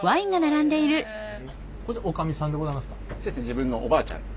自分のおばあちゃんに。